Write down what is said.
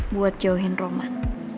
buat jauhin roman